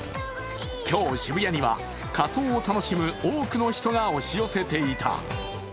今日、渋谷には仮装を楽しむ多くの人が押し寄せていた。